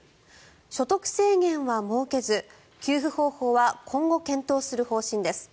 所得制限は設けず給付方法は今後、検討する方針です。